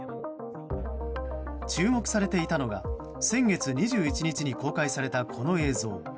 注目されていたのが先月２１に公開されたこの映像。